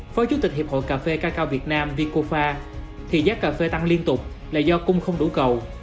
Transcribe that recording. phó chủ tịch hiệp hội cà phê ca cao việt nam vietcô pha thì giá cà phê tăng liên tục là do cung không đủ cầu